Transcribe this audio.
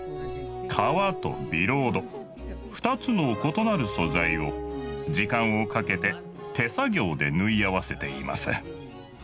革とビロード２つの異なる素材を時間をかけて手作業で縫い合わせています。